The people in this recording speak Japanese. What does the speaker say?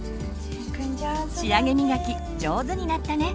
仕上げみがき上手になったね！